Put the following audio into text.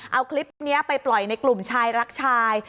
เอาคลิปนี้ไปปล่อยในกลุ่มชายรักชาย